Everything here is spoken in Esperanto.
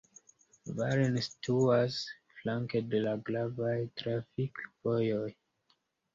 Varen situas flanke de la gravaj trafikvojoj.